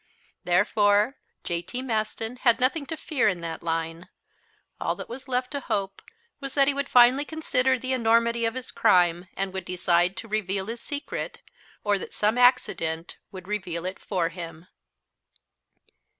Therefore, J.T. Maston had nothing to fear in that line; all that was left to hope was that he would finally consider the enormity of his crime and would decide to reveal his secret, or that some accident would reveal it for him.